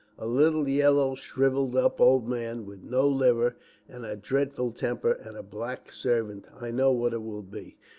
A little, yellow, shrivelled up old man with no liver, and a dreadful temper, and a black servant. I know what it will be."